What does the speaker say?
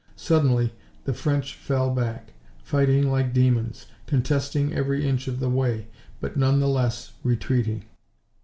Sullenly the French fell back, fighting like demons, contesting every inch of the way, but none the less retreating.